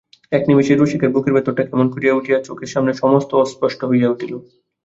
এক নিমেষেই রসিকের বুকের ভিতরটা কেমন করিয়া উঠিয়া চোখের সামনে সমস্ত অস্পষ্ট হইয়া উঠিল।